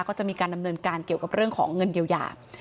ก็จะมีการดำเนินการเกี่ยวกับเรื่องของเงินเยียวยา